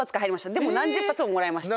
でも何十発ももらいました。